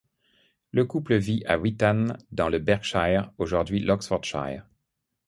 Le couple vit à Wytham dans le Berkshire, aujourd'hui l'Oxfordshire.